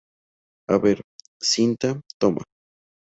a ver, cinta. toma.